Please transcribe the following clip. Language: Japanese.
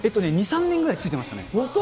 ２、３年ぐらいついてましたね。